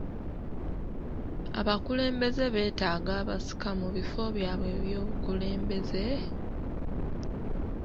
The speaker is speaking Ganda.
Abakulembeze beetaaga abasika mu bifo byabwe eby'obukulembeze?